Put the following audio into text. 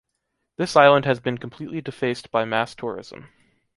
This island has been completely defaced by mass tourism.